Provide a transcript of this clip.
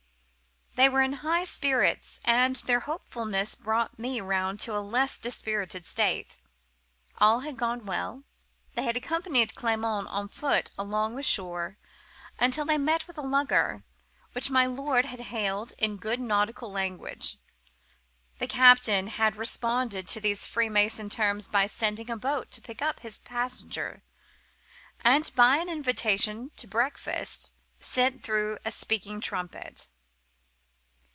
They were in high spirits, and their hopefulness brought me round to a less dispirited state. All had gone well: they had accompanied Clement on foot along the shore, until they had met with a lugger, which my lord had hailed in good nautical language. The captain had responded to these freemason terms by sending a boat to pick up his passenger, and by an invitation to breakfast sent through a speaking trumpet.